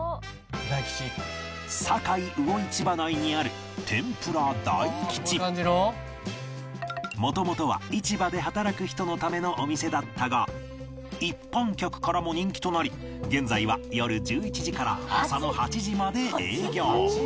堺魚市場内にある元々は市場で働く人のためのお店だったが一般客からも人気となり現在は夜１１時から朝の８時まで営業